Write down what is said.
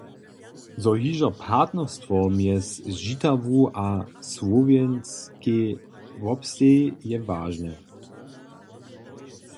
Zo hižo partnerstwo mjez Žitawu a Słowjenskej wobsteji, je wažne.